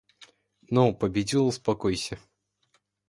Ну победил и успокойся!